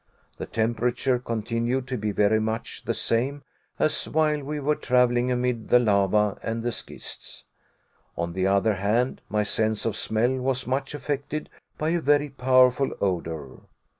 The temperature continued to be very much the same as while we were traveling amid the lava and the schists. On the other hand my sense of smell was much affected by a very powerful odor.